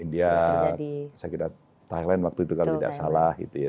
india saya kira thailand waktu itu kalau tidak salah gitu ya